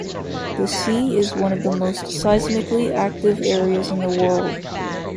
The sea is one of the most seismically active areas in the world.